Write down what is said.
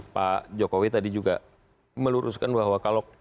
pak jokowi tadi juga meluruskan bahwa kalau